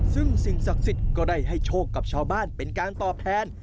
ซึ่งสิ่งศักดิ์สิทธิ์ก็ได้ให้โชคกับชาวบ้านเป็นการตอบแทน